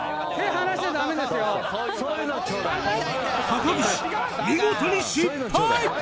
高岸見事に失敗！